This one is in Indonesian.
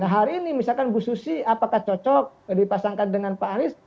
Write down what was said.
hari ini misalkan bu susi apakah cocok dipasangkan dengan pak anies